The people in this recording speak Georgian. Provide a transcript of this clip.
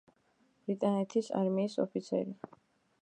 ბრიტანეთის არმიის ოფიცერი.